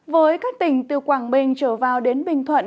với các tỉnh từ quảng bình trở vào đến bình thuận